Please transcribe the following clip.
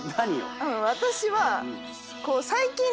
私は。